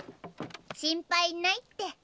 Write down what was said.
心配ないって。